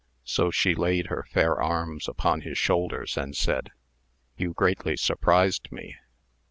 So she laid her fair rms upon his shoulders and said, you greatly surprized le